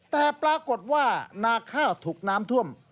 แต่ปรากฏว่านาข้าวถูกน้ำท่วม